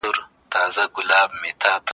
انسان د عقل په ذريعه شيان پيژني.